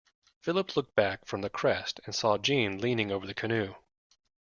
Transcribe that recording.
Philip looked back from the crest and saw Jeanne leaning over the canoe.